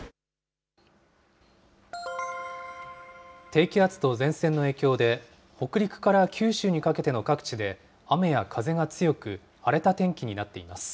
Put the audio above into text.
低気圧と前線の影響で、北陸から九州にかけての各地で、雨や風が強く、荒れた天気になっています。